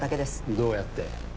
どうやって？